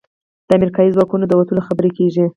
د امریکايي ځواکونو د وتلو خبرې کېږي.